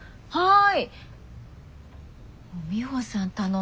はい。